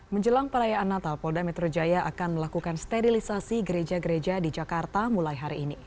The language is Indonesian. menjelang perayaan natal polda metro jaya akan melakukan sterilisasi gereja gereja di jakarta mulai hari ini